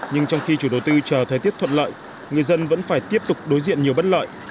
nhưng trong khi chủ đầu tư chờ thời tiết thuận lợi người dân vẫn phải tiếp tục đối diện nhiều bất lợi